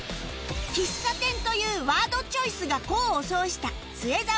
喫茶店というワードチョイスが功を奏した末澤誠也